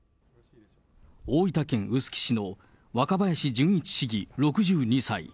大分県臼杵市の若林純一市議６２歳。